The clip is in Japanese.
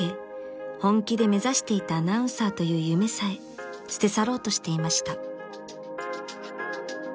本気で目指していたアナウンサーという夢さえ捨て去ろうとしていました］